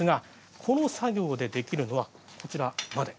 この作業でできるのはここまでです。